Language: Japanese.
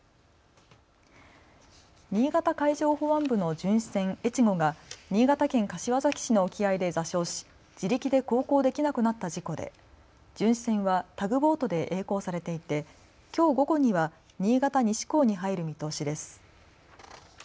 新潟海上保安部の巡視船えちごが新潟県柏崎市の沖合で座礁し自力で航行できなくなった事故で巡視船はタグボートでえい航されていてきょう午後には新潟西港に入る見通しです。